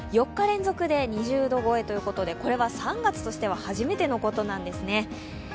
４日連続で２０度超えということでこれは３月としては初めてのことなんですね。